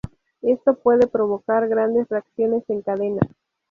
Esto puede provocar grandes reacciones en cadena.